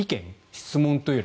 質問というより。